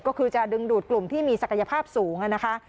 ก็คือจะดึงดูดกลุ่มที่มีศักยภาพสูงนะคะ